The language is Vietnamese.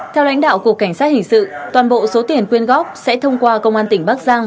theo lãnh đạo cục cảnh sát hình sự toàn bộ số tiền quyên góp sẽ thông qua công an tỉnh bắc giang